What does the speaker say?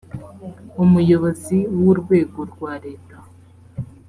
umuyobozi w urwego rwa leta